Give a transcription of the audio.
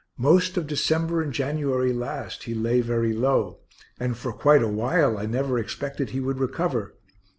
Most of December and January last he lay very low, and for quite a while I never expected he would recover.